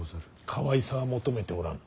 かわいさは求めておらぬ。